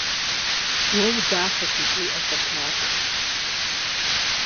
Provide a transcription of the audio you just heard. Уэ удахэщ икӀи уӀэкӀуэлъакӀуэщ.